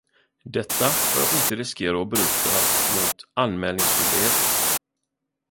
Detta för att inte riskera att bryta mot anmälningsskyldigheten.